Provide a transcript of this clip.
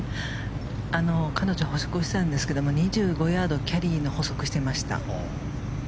彼女歩測してたんですけど２５ヤードキャリーで歩測していました。